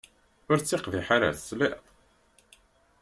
Ur ttiqbiḥ ara, tesliḍ!